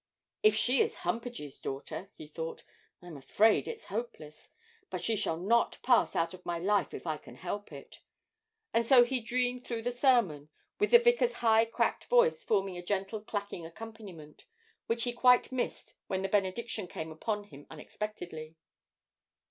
'If she is Humpage's daughter,' he thought, 'I'm afraid it's hopeless; but she shall not pass out of my life if I can help it!' and so he dreamed through the sermon, with the vicar's high cracked voice forming a gentle clacking accompaniment, which he quite missed when the benediction came upon him unexpectedly.